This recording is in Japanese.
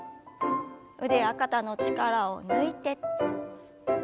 腕や肩の力を抜いて。